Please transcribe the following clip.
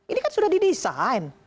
ini kan sudah didesain